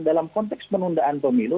dalam konteks penundaan pemilu